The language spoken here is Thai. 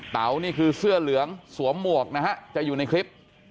เต๋านี่คือเสื้อเหลืองสวมหมวกนะฮะจะอยู่ในคลิป